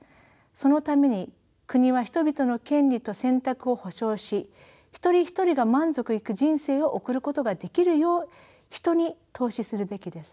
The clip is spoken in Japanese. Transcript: そのために国は人々の権利と選択を保障し一人一人が満足いく人生を送ることができるよう人に投資するべきです。